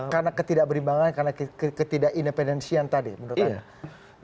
karena ketidakberimbangan karena ketidakindependensian tadi menurut anda